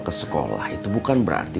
ke sekolah itu bukan berarti